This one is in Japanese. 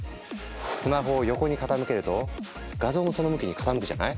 スマホを横に傾けると画像もその向きに傾くじゃない？